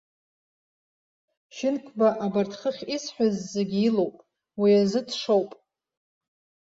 Шьынқәба абарҭ хыхь исҳәақәаз зегьы илоуп, уи азы дшоуп.